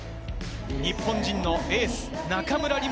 日本人のエース・中村輪